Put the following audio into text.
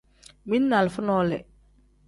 Mili ni alifa nole.